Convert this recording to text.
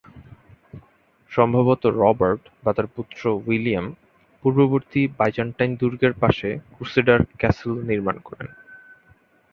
সম্ভবত রবার্ট বা তার পুত্র উইলিয়াম পূর্ববর্তী বাইজান্টাইন দুর্গের পাশে ক্রুসেডার ক্যাসল নির্মাণ করেন।